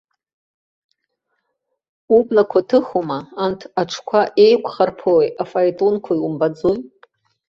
Ублақәа ҭыхума, анҭ аҽқәа еиқәхарԥоуи афаетонқәеи умбаӡои?